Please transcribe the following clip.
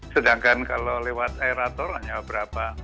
sedangkan kalau lewat aerator hanya berapa